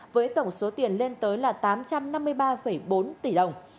với tổng số tiền lên tới là tám trăm năm mươi ba bốn tỷ đồng